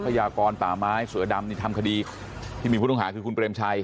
ยากรป่าไม้เสือดำนี่ทำคดีที่มีผู้ต้องหาคือคุณเปรมชัย